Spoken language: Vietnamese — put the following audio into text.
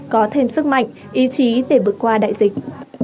có thêm sức mạnh ý chí để vượt qua đại dịch